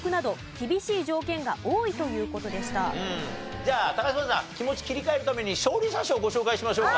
じゃあ嶋さん気持ち切り替えるために勝利者賞ご紹介しましょうか。